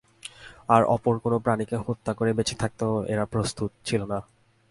আর অপর কোন প্রাণীকে হত্যা করে বেঁচে থাকতেও এরা প্রস্তুত ছিল না।